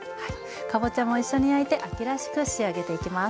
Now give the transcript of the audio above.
かぼちゃも一緒に焼いて秋らしく仕上げていきます。